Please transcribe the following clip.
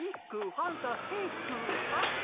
ファンタスティック！